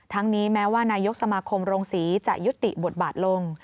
นี้แม้ว่านายกสมาคมโรงศรีจะยุติบทบาทลง